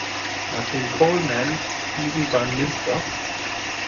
Nachdem Coleman diesen beim Mr.